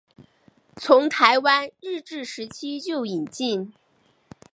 从台湾日治时期就引进。